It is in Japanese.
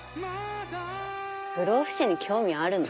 不老不死に興味あるの？